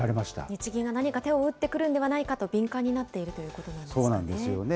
日銀が何か手を打ってくるんではないかと敏感になっているとそうなんですよね。